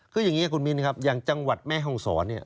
คืออย่างนี้คุณมินครับอย่างจังหวัดแม่ห้องศรเนี่ย